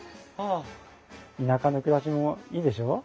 田舎の暮らしもいいでしょう？